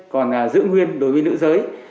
còn giữ nguyên đối với nữ giới